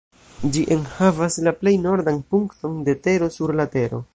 Ĝi enhavas la plej nordan punkton de tero sur la Tero.